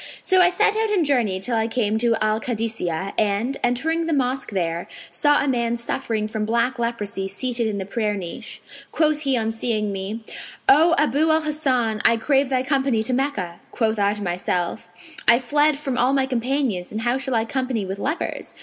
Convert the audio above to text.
So I set out and journeyed till I came to Al Kadisνyah[FN#502] and, entering the mosque there, saw a man suffering from black leprosy seated in the prayer niche. Quoth he on seeing me, 'O Abu al Hasan, I crave thy company to Meccah.' Quoth I to myself, 'I fled from all my companions, and how shall I company with lepers?'